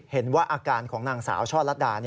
เห็นว่าอาการของนางสาวช่อลัดดา